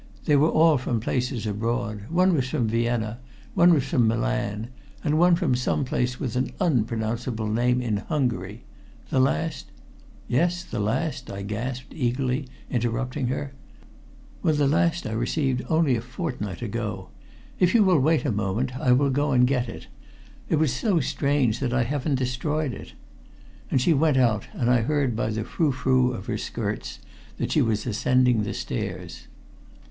They were all from places abroad. One was from Vienna, one was from Milan, and one from some place with an unpronounceable name in Hungary. The last " "Yes, the last?" I gasped eagerly, interrupting her. "Well, the last I received only a fortnight ago. If you will wait a moment I will go and get it. It was so strange that I haven't destroyed it." And she went out, and I heard by the frou frou of her skirts that she was ascending the stairs.